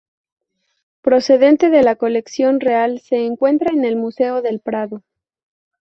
Procedente de la colección real, se encuentra en el Museo del Prado.